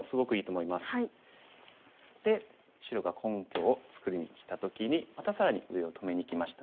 で白が根拠を作りにきた時にまた更に上を止めにきました。